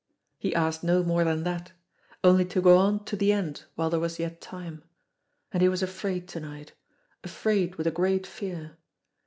He asked no more than that only to go on to the end while there was yet time. And he was afraid to night, afraid with a great fear.